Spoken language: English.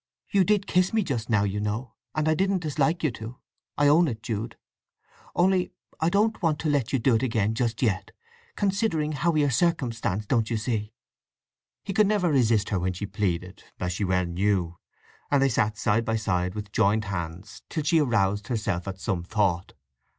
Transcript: "You did kiss me just now, you know; and I didn't dislike you to, I own it, Jude. Only I don't want to let you do it again, just yet—considering how we are circumstanced, don't you see!" He could never resist her when she pleaded (as she well knew). And they sat side by side with joined hands, till she aroused herself at some thought.